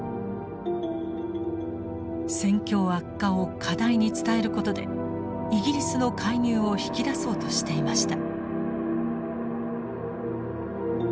戦況悪化を過大に伝えることでイギリスの介入を引き出そうとしていました。